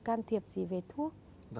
can thiệp gì về thuốc